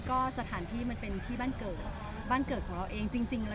จริงแล้วยูนี่เป็นคนชอบสีชะพูพิงโก